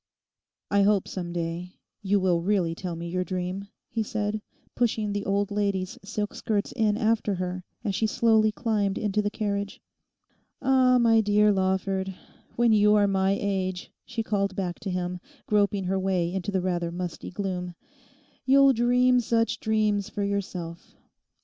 'I hope, some day, you will really tell me your dream?' he said, pushing the old lady's silk skirts in after her as she slowly climbed into the carriage. 'Ah, my dear Lawford, when you are my age,' she called back to him, groping her way into the rather musty gloom, 'you'll dream such dreams for yourself.